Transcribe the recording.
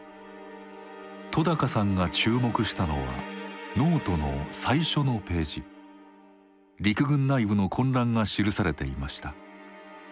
戸さんが注目したのはノートの最初のページ陸軍内部の混乱が記されていました。